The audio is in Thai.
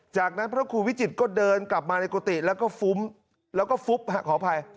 จากนั้นพระครูวิจิตรก็เดินกลับมาในกุฏิแล้วก็ฟุ้มแล้วก็ฟุบขออภัย